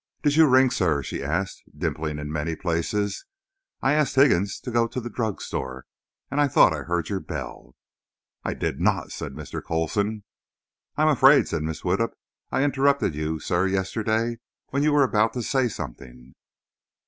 "Did you ring, Sir?" she asked, dimpling in many places. "I asked Higgins to go to the drug store, and I thought I heard your bell." "I did not," said Mr. Coulson. "I'm afraid," said Mrs. Widdup, "I interrupted you sir, yesterday when you were about to say something."